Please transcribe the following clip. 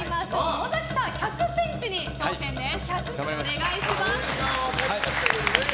野崎さん、１００ｃｍに挑戦です。